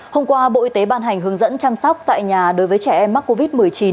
hôm qua bộ y tế ban hành hướng dẫn chăm sóc tại nhà đối với trẻ em mắc covid một mươi chín